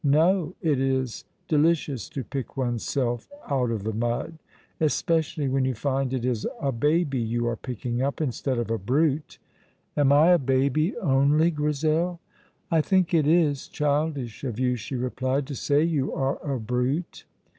"No; it is delicious to pick one's self out of the mud, especially when you find it is a baby you are picking up, instead of a brute. Am I a baby only, Grizel?" "I think it is childish of you," she replied, "to say you are a brute."